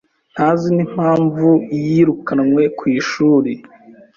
ntazi n'impamvu yirukanwe ku ishuri.